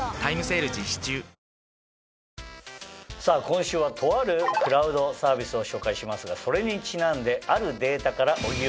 今週はとあるクラウドサービスを紹介しますがそれにちなんで。